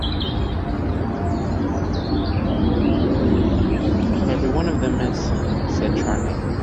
"Every one of them, miss," said Charley.